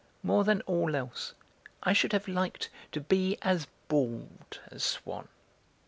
More than all else I should have liked to be as bald as Swann.